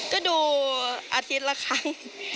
ก็ดูอาทิตย์ละครั้ง